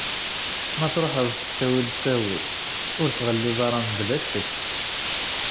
M truḥeḍ s ttawil ttawil, ur tɣelliḍ ara mebla ccekk.